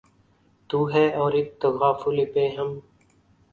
تو ہے اور اک تغافل پیہم